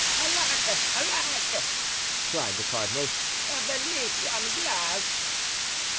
"Alack! alack!" cried the cardinal, "a Venetian glass!"